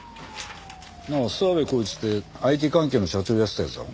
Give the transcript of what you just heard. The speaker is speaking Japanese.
諏訪部孝一ってＩＴ関係の社長やってた奴だろ？